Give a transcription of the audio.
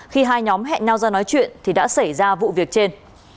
khi hai nhóm hẹn nhau ra nói chuyện thì đã xảy ra vụ việc trên